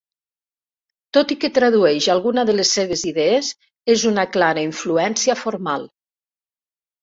Tot i que tradueix alguna de les seves idees, és una clara influència formal.